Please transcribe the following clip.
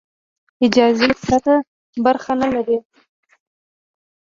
اجازې پرته برخه نه اخلي.